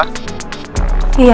halo dengan ibu elsa and indita